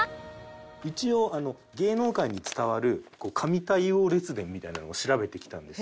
一応芸能界に伝わる神対応列伝みたいなのを調べてきたんですけど。